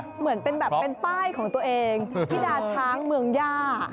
เหมือนเป็นแบบเป็นป้ายของตัวเองที่ดาช้างเมืองย่า